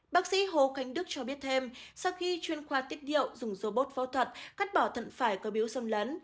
bác sĩ hồ khánh đức cho biết thêm sau khi chuyên khoa tiết điệu dùng robot phẫu thuật cắt bỏ thận phải có biếu xâm lấn